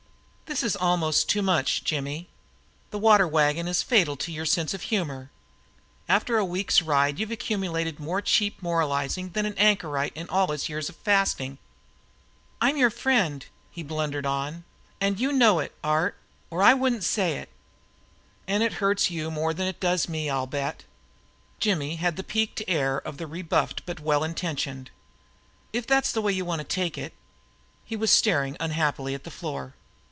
"This is almost too much, Jimmy. The water wagon is fatal to your sense of humor. After a week's ride you've accumulated more cheap moralizing than any anchorite in all his years of fasting." "I'm your friend," he blundered on, "and you know it, Art or I wouldn't say it." "And it hurts you more than it does me, I'll bet!" Jimmy had the piqued air of the rebuffed but well intentioned. "If that's the way you want to take it " he was staring unhappily at the floor.